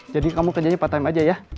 jadi kamu kerjanya part time aja ya